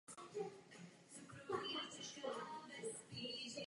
Původně byla sbírka dokumentů týkající historie města Paříže uložena na pařížské radnici.